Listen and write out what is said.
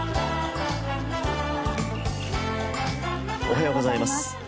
おはようございます。